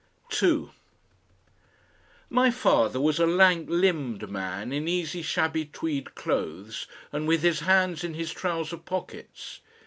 2 My father was a lank limbed man in easy shabby tweed clothes and with his hands in his trouser pockets.